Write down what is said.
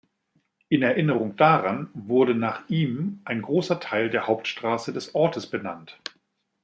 In Erinnerung daran wurde nach ihm ein großer Teil der Hauptstraße des Ortes benannt.